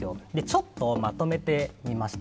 ちょっとまとめてみました。